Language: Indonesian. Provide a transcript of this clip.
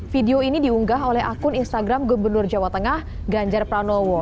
video ini diunggah oleh akun instagram gubernur jawa tengah ganjar pranowo